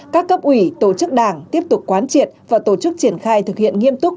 các cấp ủy tổ chức đảng tiếp tục quán triệt và tổ chức triển khai thực hiện nghiêm túc